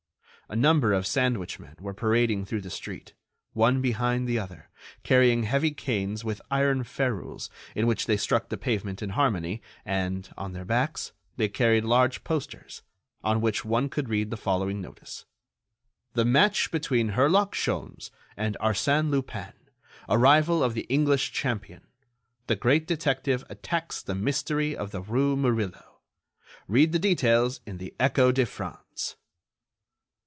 A number of sandwich men were parading through the street, one behind the other, carrying heavy canes with iron ferrules with which they struck the pavement in harmony, and, on their backs, they carried large posters, on which one could read the following notice: THE MATCH BETWEEN HERLOCK SHOLMES AND ARSÈNE LUPIN. ARRIVAL OF THE ENGLISH CHAMPION. THE GREAT DETECTIVE ATTACKS THE MYSTERY OF THE RUE MURILLO. READ THE DETAILS IN THE "ECHO DE FRANCE."